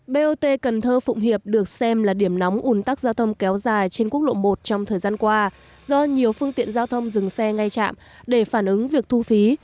bot cần thơ phụng hiệp được xem là điểm nóng ủn tắc giao thông kéo dài trên quốc lộ một trong thời gian qua do nhiều phương tiện giao thông dừng xe ngay chạm để phản ứng việc thu phí